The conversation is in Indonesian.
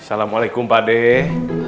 assalamualaikum pak deh